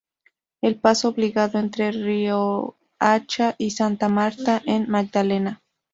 Es paso obligado entre Riohacha y Santa Marta, en Magdalena.